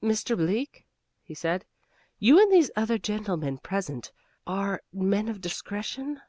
"Mr. Bleak," he said, "you and these other gentlemen present are men of discretion